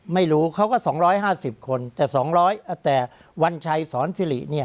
ไม่รู้เขาก็๒๕๐คนแต่๒๐๐แต่วันชัยสอนสิริเนี่ย